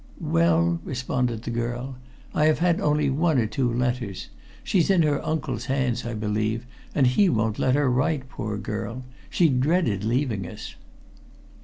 "Well," responded the girl, "I have had only one or two letters. She's in her uncle's hands, I believe, and he won't let her write, poor girl. She dreaded leaving us."